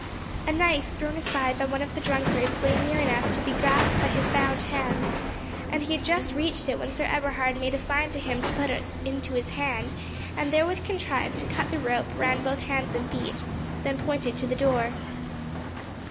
A knife thrown aside by one of the drunkards lay near enough to be grasped by his bound hands, and he had just reached it when Sir Eberhard made a sign to him to put it into his hand, and therewith contrived to cut the rope round both hands and feet—then pointed to the door.